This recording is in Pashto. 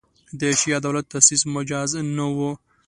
د شیعه دولت تاسیس مجاز نه وو.